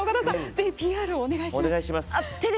ぜひＰＲをお願いします。